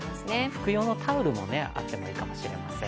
拭く用のタオルもあってもいいかもしれません。